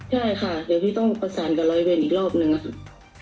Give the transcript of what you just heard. ใช่ค่ะเดี๋ยวพี่ต้องประสานกับร้อยเวรอีกรอบนึงนะคะ